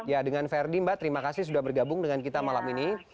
ya dengan verdi mbak terima kasih sudah bergabung dengan kita malam ini